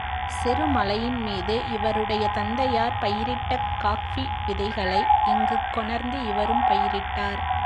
சிறுமலையின்மீது இவருடைய தந்தையார் பயிரிட்ட காஃபி விதைகளை இங்குக் கொணர்ந்து இவரும் பயிரிட்டார்.